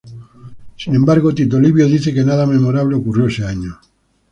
Sin embargo, Tito Livio dice que nada memorable ocurrió ese año.